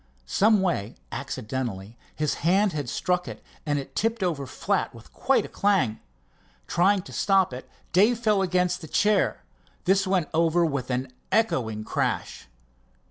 Some way accidentally his hand had struck it, and it tipped over flat with quite a clang. Trying to stop it, Dave fell against the chair. This went over with an echoing crash.